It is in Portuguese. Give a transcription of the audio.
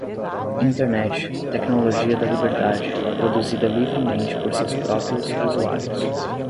Internet, tecnologia da liberdade, produzida livremente por seus próprios usuários.